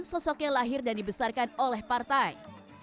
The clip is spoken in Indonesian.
sosoknya lahir dan dibesarkan oleh partai